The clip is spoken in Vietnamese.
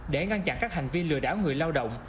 để ngăn chặn các hành vi lừa đảo người lao động